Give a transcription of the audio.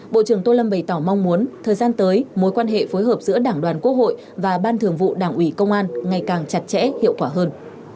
bộ trưởng tô lâm bày tỏ mong muốn thời gian tới mối quan hệ phối hợp giữa đảng đoàn quốc hội và ban thường vụ đảng ủy công an ngày càng chặt chẽ hiệu quả hơn